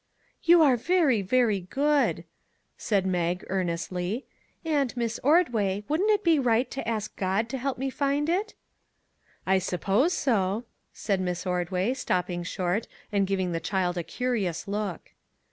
" You are very, very good," said Mag ear nestly ;" and, Miss Ordway, wouldn't it be right to ask God to help me find it? "" I suppose so," said Miss Ordway, stopping short and giving the child a curious look.